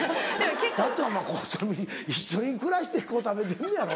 だってお前一緒に暮らしてこう食べてんのやろ？